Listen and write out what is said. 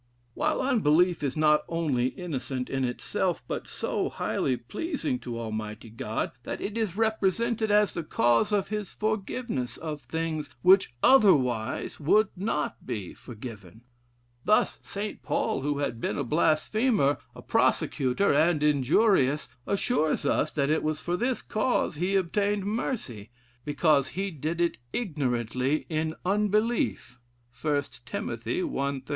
While unbelief is not only innocent in itself, but so highly pleasing to Almighty God, that it is represented as the cause of his forgiveness of things which otherwise would not be forgiven. Thus St. Paul, who had been a blasphemer, a persecutor, and injurious, assures us that it was for this cause he obtained mercy, 'because he did it ignorantly in unbelief.' 1 Tim. i. 13.